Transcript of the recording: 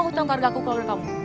semua hutang karga aku ke lo dan kamu